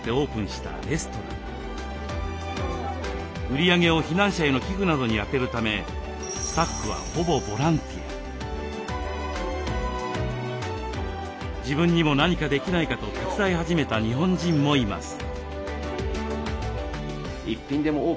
売り上げを避難者への寄付などに充てるため自分にも何かできないかと手伝い始めた日本人もいます。